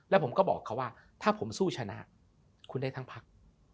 แล้วผมก็บอกเขาว่าถ้าผมสู้ชนะคุณได้ทั้งพัก